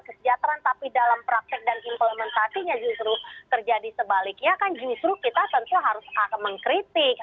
kesejahteraan tapi dalam praktek dan implementasinya justru terjadi sebaliknya kan justru kita tentu harus mengkritik